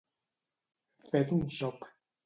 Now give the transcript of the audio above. Fet un xop.